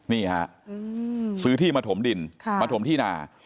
นี่ฮะซื้อที่มาถมดินมาถมที่นา